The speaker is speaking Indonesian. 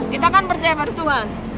kita kan percaya pada tuhan